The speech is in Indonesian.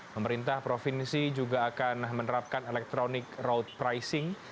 pemerintah provinsi juga akan menerapkan electronic road pricing